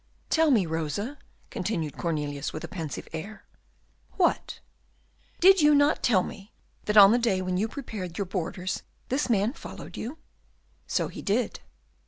"Tell me, Rosa," continued Cornelius, with a pensive air. "What?" "Did you not tell me that on the day when you prepared your borders this man followed you?" "So he did."